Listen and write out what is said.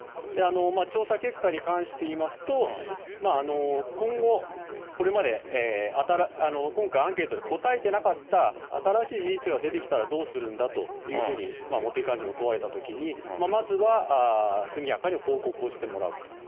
調査結果に関していいますと、今後、これまで今回、アンケートで答えてなかった新しい事実が出てきたらどうするんだというふうに茂木幹事長も問われたときに、まずは速やかに報告をしてもらうと。